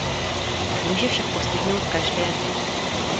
Může však postihnout každého.